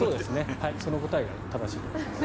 その答えが正しいと思います。